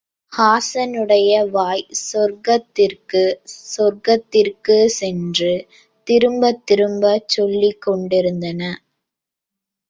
ஹாஸனுடைய வாய் சொர்க்கத்திற்கு, சொர்க்கத்திற்கு என்று திரும்பத் திரும்பச் சொல்லிக் கொண்டிருந்தன!